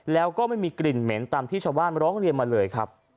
แล้วก็ไม่มีกลิ่นเหม็นตามที่ชาวบ้านร้องเรียนมาเลยครับ